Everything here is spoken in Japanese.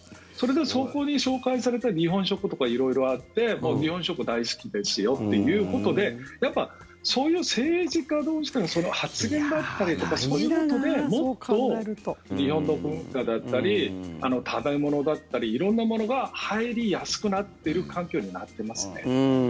そこで紹介された日本食とか色々あって日本食大好きですよということでやっぱり、そういう政治家同士の発言だったりとかそういうことでもっと日本の文化だったり食べ物だったり、色んなものが入りやすくなっている環境になっていますね。